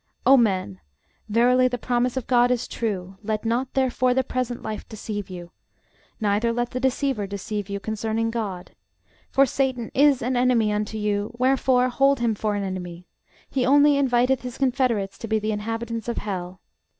O men, verily the promise of GOD is true: let not therefore the present life deceive you, neither let the deceiver deceive you concerning GOD: for Satan is an enemy unto you; wherefore hold him for an enemy: he only inviteth his confederates to be the inhabitants of hell.